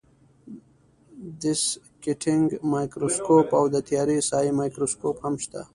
دیسکټینګ مایکروسکوپ او د تیارې ساحې مایکروسکوپ هم شته.